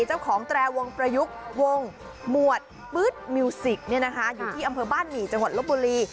แตรวงประยุกต์วงหมวดปื๊ดมิวสิกอยู่ที่อำเภอบ้านหมี่จังหวัดลบบุรี